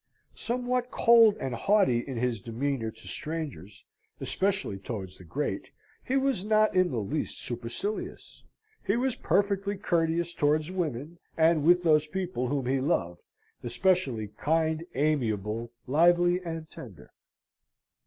Somewhat cold and haughty in his demeanour to strangers, especially towards the great, he was not in the least supercilious: he was perfectly courteous towards women, and with those people whom he loved, especially kind, amiable, lively, and tender.